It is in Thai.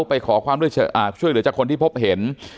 ไปขอความช่วยเหลือจากคนที่พบเห็น